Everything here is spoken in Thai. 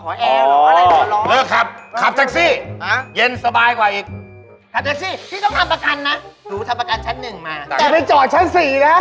แต่ไปจอดชั้ป๒นะ